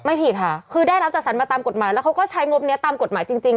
ผิดค่ะคือได้รับจัดสรรมาตามกฎหมายแล้วเขาก็ใช้งบนี้ตามกฎหมายจริง